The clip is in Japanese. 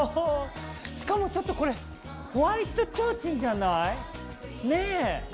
しかもこれホワイトちょうちんじゃない？ねぇ。